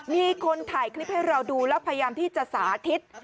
มีคนถ่ายคลิปให้เราดูแล้วพยายามที่จะสาธิต